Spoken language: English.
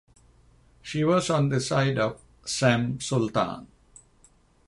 She was on the side of Cem Sultan.